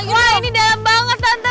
wah ini dalam banget tante